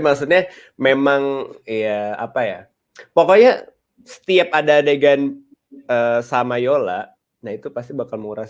maksudnya memang ya apa ya pokoknya setiap ada adegan sama yola nah itu pasti bakal murah